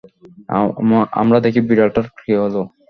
আমরা দেখি বিড়ালটার কী হলো।